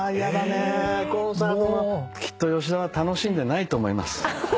きっと吉田は楽しんでないと思います。